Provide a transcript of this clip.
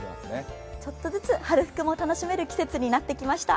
ちょっとずつ春服も楽しめる季節になってまいりました。